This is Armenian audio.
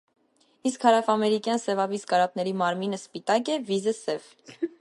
Իսկ հարավամերիկյան սևավիզ կարապների մարմինը սպիտաակ է, վիզը՝ սև։